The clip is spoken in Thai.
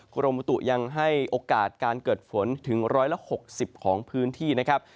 กรมบุตุยังให้โอกาสการเกิดฝนถึง๑๖๐ของพื้นที่นะครับ